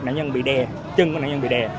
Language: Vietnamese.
nạn nhân bị đè